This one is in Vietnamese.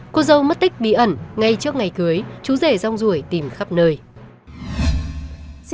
cô dâu mất tích bí ẩn ngay trước ngày cưới chú rể rong rủi tìm khắp nơi